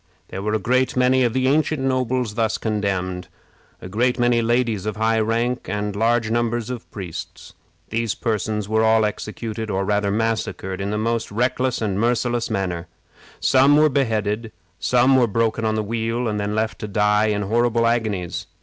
There were a great many of the ancient nobles thus condemned, a great many ladies of high rank, and large numbers of priests. These persons were all executed, or rather massacred, in the most reckless and merciless manner. Some were beheaded; some were broken on the wheel, and then left to die in horrible agonies.